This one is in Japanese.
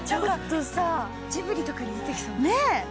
ジブリとかに出てきそう。